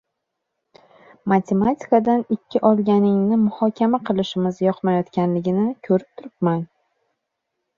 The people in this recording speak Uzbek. “Matematikadan ikki olganingni muhokama qilishimiz yoqmayotganligini ko‘rib turibman.